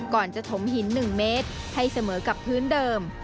ก่อนจะถมหิน๑เมตรให้เสมอกับพื้นเดิม